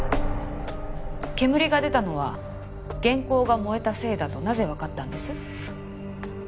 煙が出たのは原稿が燃えたせいだとなぜわかったんです？